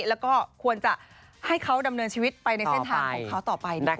แล้วก็ควรจะให้เขาดำเนินชีวิตไปในเส้นทางของเขาต่อไปนะคะ